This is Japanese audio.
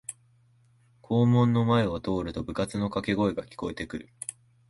校門の前を通ると部活のかけ声が聞こえてくる